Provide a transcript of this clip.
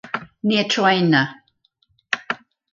Near Troina.